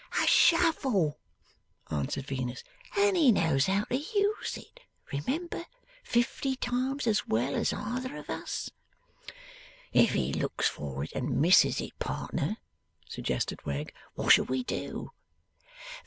'A shovel,' answered Venus. 'And he knows how to use it, remember, fifty times as well as either of us.' 'If he looks for it and misses it, partner,' suggested Wegg, 'what shall we do?